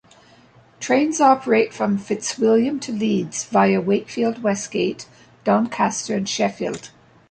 Trains operate from Fitzwilliam to Leeds via Wakefield Westgate, Doncaster and Sheffield.